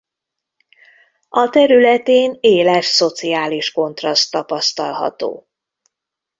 A területén éles szociális kontraszt tapasztalható.